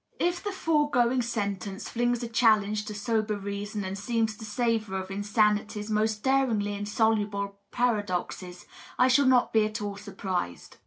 If the foregoing sentence flings a challenge to sober reason and seems to savor of insanity's most daringly insoluble paradoxes, I shall not be at all surprised.